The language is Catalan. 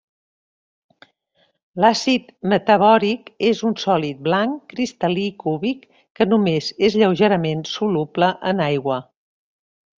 L'àcid metabòric és un sòlid blanc cristal·lí cúbic que només és lleugerament soluble en aigua.